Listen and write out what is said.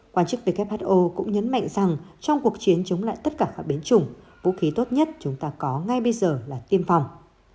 quan chức who cũng nhấn mạnh rằng trong cuộc chiến chống lại tất cả các biến chủng vũ khí tốt nhất chúng ta có ngay bây giờ là tiêm phòng